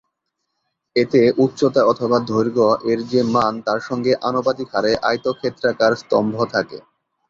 এতে উচ্চতা অথবা দৈর্ঘ্য-এর যে মান তার সঙ্গে আনুপাতিক হারে আয়তক্ষেত্রাকার স্তম্ভ থাকে।